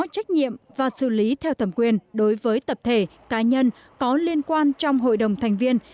trách nhiệm và xử lý theo thẩm quyền đối với tập thể cá nhân có liên quan trong hội đồng thành viên